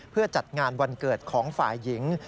เพื่อจัดงานวันเกิดของฝ่ายหญิง